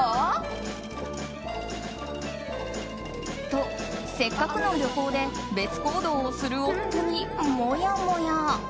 と、せっかくの旅行で別行動する夫にもやもや。